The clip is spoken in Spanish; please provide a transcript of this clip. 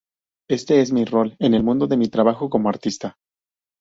Este es mi rol en el mundo, mi trabajo como artista.